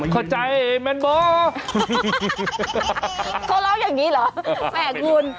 ครัวเล่าอย่างนี้เหรอแหม่งคุณ